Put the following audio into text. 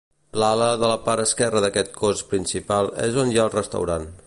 L’ala de la part esquerra d’aquest cos principal, és on hi ha el restaurant.